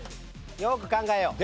よく考えよう。